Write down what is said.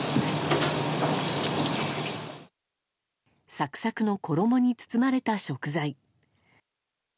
サクサクの衣に包まれた食材。